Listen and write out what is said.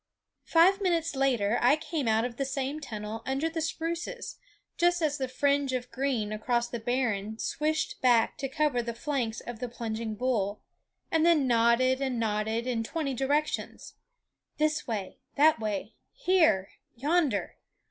Five minutes later I came out of the same tunnel under the spruces just as the fringe of green across the barren swished back to cover the flanks of the plunging bull, and then nodded and nodded in twenty directions _This way! that way! here! yonder!